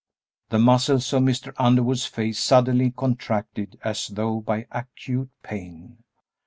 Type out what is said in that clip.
The muscles of Mr. Underwood's face suddenly contracted as though by acute pain.